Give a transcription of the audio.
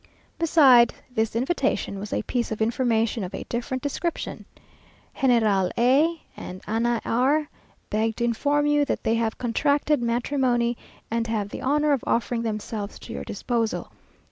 Beside this invitation, was a piece of information of a different description: "General A and Anna R beg to inform you that they have contracted matrimony, and have the honour of offering themselves to your disposal.